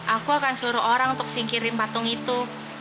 aku akan suruh orang untuk singkirin patung itu